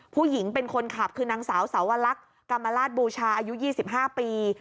ผู้หญิงเป็นคนขับคือนางสาวสาวลักษณ์กรรมราชบูชาอายุ๒๕ปี